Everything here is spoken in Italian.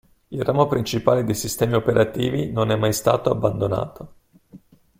Il ramo principale dei sistemi operativi non è mai stato abbandonato.